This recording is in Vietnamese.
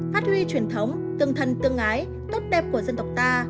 phát huy truyền thống tương thân tương ái tốt đẹp của dân tộc ta